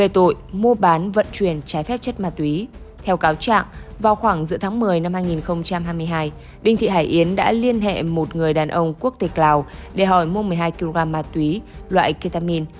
theo cáo trạng vào khoảng giữa tháng một mươi năm hai nghìn hai mươi hai đinh thị hải yến đã liên hệ một người đàn ông quốc tịch lào để hỏi mua một mươi hai kg ma túy loại ketamin